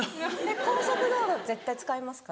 高速道路絶対使いますか？